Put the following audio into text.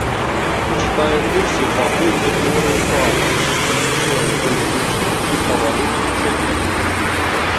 Чытае курсы па агульнай тэорыі права і гісторыі палітычных і прававых вучэнняў.